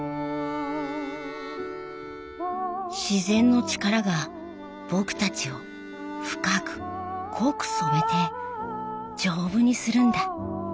自然の力が僕たちを深く濃く染めて丈夫にするんだ。